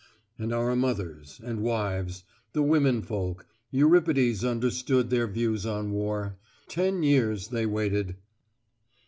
And our mothers, and wives ... the women folk Euripides understood their views on war. Ten years they waited....